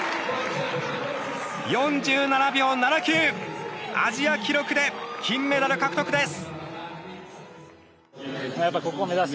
４７秒７９アジア記録で金メダル獲得です。